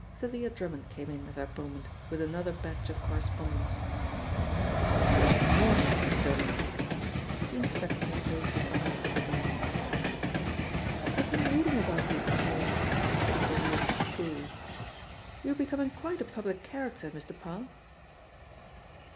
Thalia Drummond came in at that moment with another batch of correspondence. "Good morning. Miss Drummond." The inspector raised his eyes to the girl. "I've been reading about you this morning," said Thalia coolly. "You're becoming quite a public character, Mr. Parr."